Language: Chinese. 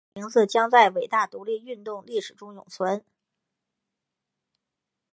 他的名字将在伟大独立运动历史中永存。